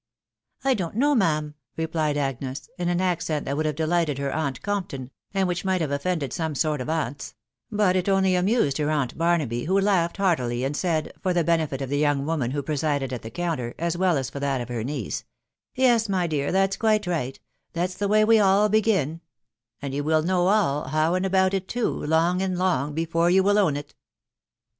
I don't know, ma'am," replied Agnes, in an accent that would have delighted her aunt Compton, and which might have offended some sort of aunts ; but it only amused her aunt Barnaby, who laughed heartily, and said, for the benefit of the young woman who presided at the counter, as well as for that of her niece, —" Yes, my dear, that's quite right ; that's the way we all begin And you will know all, how and about' it, too, long and long before you will own it."